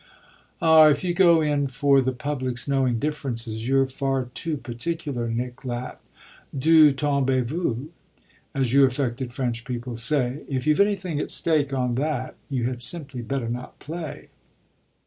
"Ah if you go in for the public's knowing differences you're far too particular," Nick laughed. "D'où tombez vous? as you affected French people say. If you've anything at stake on that you had simply better not play."